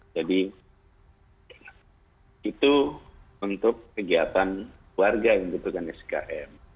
jadi itu untuk kegiatan keluarga yang membutuhkan sikm